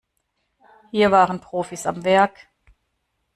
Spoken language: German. Hier waren Profis am Werk.